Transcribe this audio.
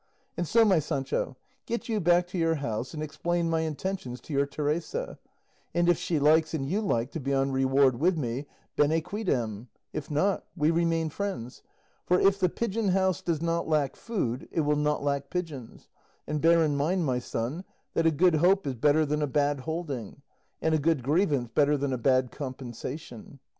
And so, my Sancho, get you back to your house and explain my intentions to your Teresa, and if she likes and you like to be on reward with me, bene quidem; if not, we remain friends; for if the pigeon house does not lack food, it will not lack pigeons; and bear in mind, my son, that a good hope is better than a bad holding, and a good grievance better than a bad compensation.